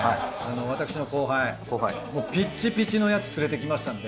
私の後輩もうピッチピチのヤツ連れてきましたんで。